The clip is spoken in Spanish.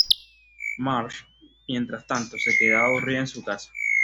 Marge, mientras tanto, se quedaba aburrida en su casa.